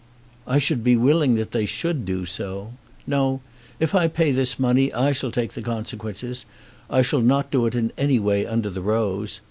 "I should be willing that they should do so. No; if I pay this money I shall take the consequences. I shall not do it in any way under the rose.